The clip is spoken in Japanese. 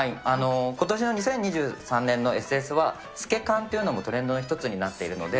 ことしの２０２３年のＳＳは、透け感っていうのもトレンドの１つになっているので。